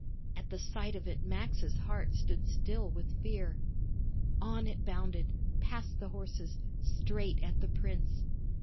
At the sight of it Max's heart stood still with fear. On it bounded, past the horses, straight at the prince.